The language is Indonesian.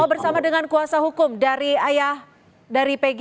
bersama dengan kuasa hukum dari ayah dari pg